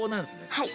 はい。